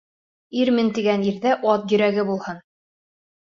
Ирмен тигән ирҙә ат йөрәге булһын.